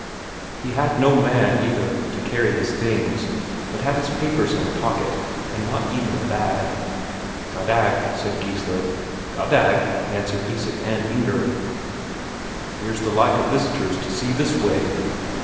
He had no man, either, to carry his things, but had his papers in a pocket, and not even a bag. "Goddag" said Geissler. "Goddag" answered Isak and Inger. "Here's the like of visitors to see this way!"